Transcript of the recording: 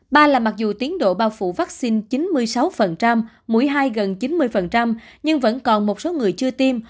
ba là mặc dù tiến độ bao phủ vaccine chín mươi sáu mũi hai gần chín mươi nhưng vẫn còn một số người chưa tiêm